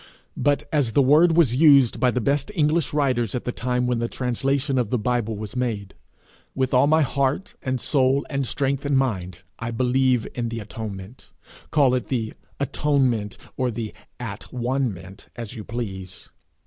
But, as the word was used by the best English writers at the time when the translation of the Bible was made with all my heart, and soul, and strength, and mind, I believe in the atonement, call it the a tone ment, or the at one ment, as you please.